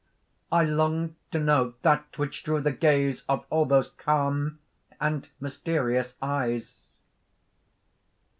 I longed to know that which drew the gaze of all those calm and mysterious eyes.